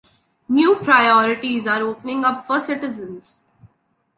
New priorities are opening up for citizens.